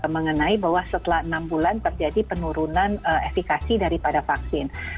mengenai bahwa setelah enam bulan terjadi penurunan efekasi daripada vaksin